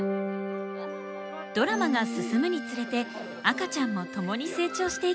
ドラマが進むにつれて赤ちゃんも共に成長していきます。